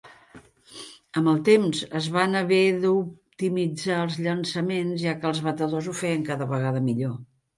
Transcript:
Amb el temps, es van haver d'optimitzar els llançaments ja que els batedors ho feien cada vegada millor.